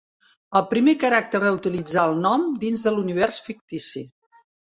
El primer caràcter a utilitzar el nom dins de l'univers fictici.